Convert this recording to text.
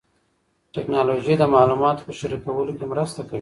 ټیکنالوژي د معلوماتو په شریکولو کې مرسته کوي.